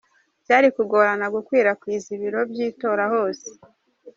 Byari kugorana gukwirakwiza ibiro by’itora hose.